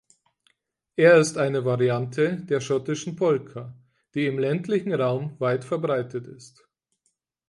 Er ist eine Variante der Schottischen Polka, die im ländlichen Raum weit verbreitet ist.